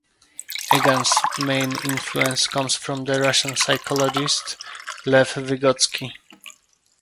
Egan's main influence comes from the Russian psychologist Lev Vygotsky.